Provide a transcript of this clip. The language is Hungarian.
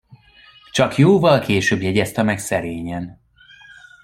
Csak jóval később jegyezte meg szerényen.